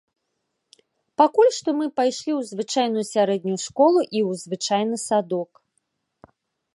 Пакуль што мы пайшлі ў звычайную сярэднюю школу і ў звычайны садок.